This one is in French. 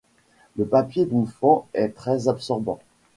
Le papier bouffant est très absorbant.